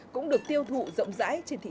cũng được tiêu thụ rộng rãi